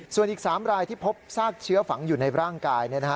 ส่วนอีก๓รายที่พบซากเชื้อฝังอยู่ในร่างกาย